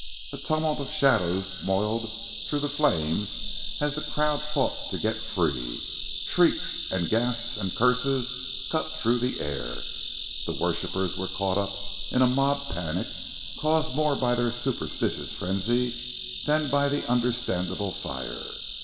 A tumult of shadows moiled through the flames as the crowd fought to get free. Shrieks and gasps and curses cut through the air: the worshippers were caught up in a mob panic caused more by their superstitious frenzy than by the understandable fire.